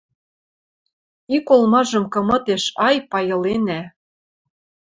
Ик олмажым кымытеш, ай, пайыленӓ